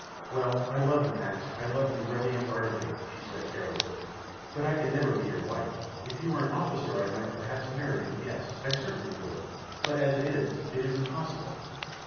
"Well, I love you, Max, I love you really and ardently," she said, carelessly; "but I can never be your wife. If you were an officer I might perhaps marry you; yes, I certainly would, but as it is, it is impossible."